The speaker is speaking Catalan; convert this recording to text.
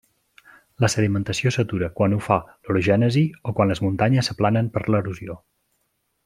La sedimentació s'atura quan ho fa l'orogènesi, o quan les muntanyes s'aplanen per l'erosió.